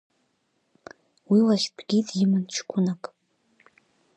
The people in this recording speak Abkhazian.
Уи лахьтәгьы диман ҷкәынак…